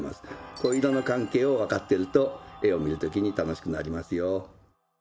こういう色の関係を分かってると絵を見るときに楽しくなりますよ。